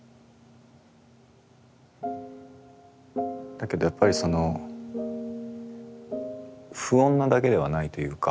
だけどやっぱりその不穏なだけではないというか。